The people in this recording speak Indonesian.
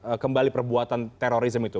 jadi bagaimana anda melihat kebuatan terorisme itu